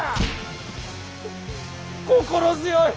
心強い！